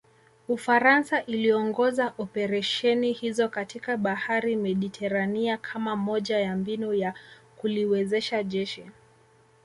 Ufaransa iliongoza operesheni hizo katika bahari Mediterania kama moja ya mbinu ya kuliwezesha jeshi